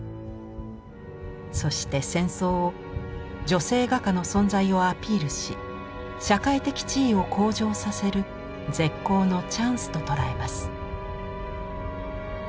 そして戦争を女性画家の存在をアピールし社会的地位を向上させる絶好のチャンスと捉えます。